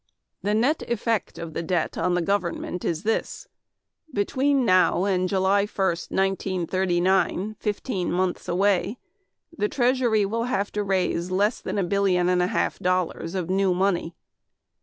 The net effect on the debt of the government is this between now and July 1, 1939 fifteen months away the treasury will have to raise less than a billion and a half dollars of new money.